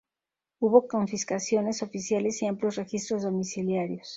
Hubo confiscaciones oficiales y amplios registros domiciliarios.